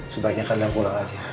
sebaiknya kalian pulang aja